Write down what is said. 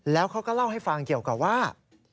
แล้วเขาก็เล่าให้ฟังเกี่ยวกับว่า